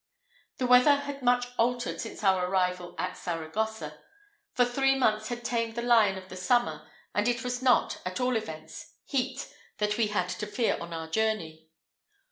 The weather had much altered since our arrival at Saragossa; for three months had tamed the lion of the summer, and it was not, at all events, heat that we had to fear on our journey.